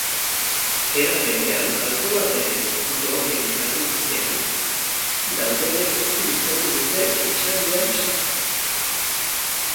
Era berean, alkoholaren edo drogen eraginpean daudenek ezin izango dute etsadioan sartu.